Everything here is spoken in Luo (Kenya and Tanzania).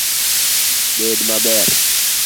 Bed maber.